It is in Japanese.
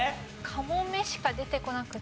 カモメしか出てこなくて。